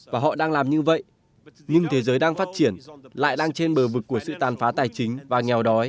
và họ đang làm như vậy nhưng thế giới đang phát triển lại đang trên bờ vực của sự tàn phá tài chính và nghèo đói